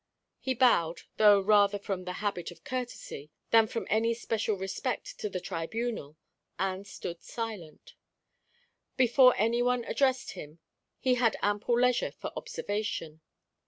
He bowed, though rather from the habit of courtesy, than from any special respect to the tribunal, and stood silent. Before any one addressed him, he had ample leisure for observation.